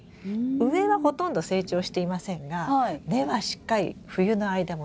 上はほとんど成長していませんが根はしっかり冬の間も伸びているんですよ。